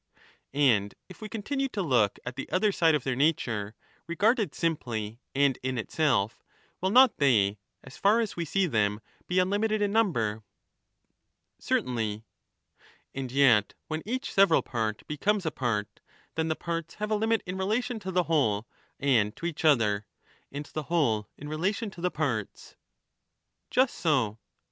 And if we continue to look at the other side of their nature, The others regarded simply, and in itself, will not they, as far as we see "»^™j*«<* .,.....,»% andalso them, be unlimited m number ? Umitcd in Certainly. ^«*>" And yet, when each several part becomes a part, then the parts have a limit in relation to the whole and to each other, and the whole in relation to the parts. Just so.